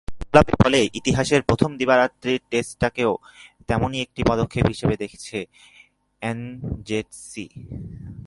গোলাপি বলে ইতিহাসের প্রথম দিবারাত্রির টেস্টটাকেও তেমনই একটি পদক্ষেপ হিসেবে দেখছে এনজেডসি।